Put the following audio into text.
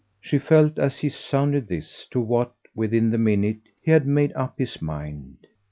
She felt, as he sounded this, to what, within the minute, he had made up his mind.